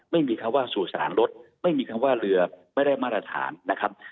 ไม่มีคำว่าสู่สารรถไม่มีคำว่าเรือไม่ได้มาตรฐานนะครับ